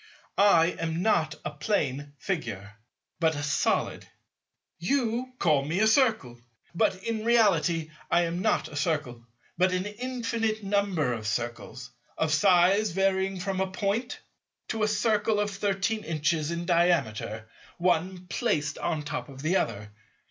I am not a plane Figure, but a Solid. You call me a Circle; but in reality I am not a Circle, but an infinite number of Circles, of size varying from a Point to a Circle of thirteen inches in diameter, one placed on the top of the other.